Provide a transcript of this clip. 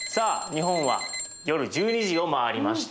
日本は夜１２時を回りました。